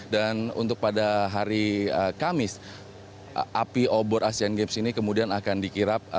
dan untuk pada hari kamis api obor asian games ini kemudian akan dikirap